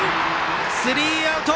スリーアウト！